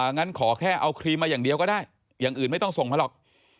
งั้นขอแค่เอาครีมมาอย่างเดียวก็ได้อย่างอื่นไม่ต้องส่งมาหรอก